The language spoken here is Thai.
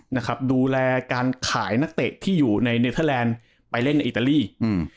นะครับดูแลการขายนักเตะที่อยู่ในเนเทอร์แลนด์ไปเล่นในอิตาลีอืม